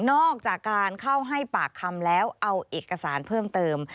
นอกจากการเข้าให้ปากคำแล้วเอาเอกสารเพิ่มเติม